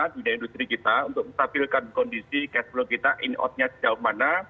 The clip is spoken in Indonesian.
di dunia industri kita untuk menstabilkan kondisi cash flow kita in outnya sejauh mana